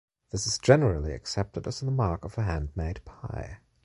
This is generally accepted as the mark of a hand-made pie.